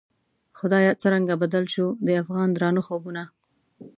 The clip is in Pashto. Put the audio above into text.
خدایه څرنګه بدل شوو، د افغان درانه خوبونه